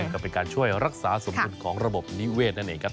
เป็นการช่วยรักษาสมคุณของระบบนิเวศนะเนี่ยครับ